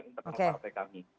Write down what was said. internal partai kami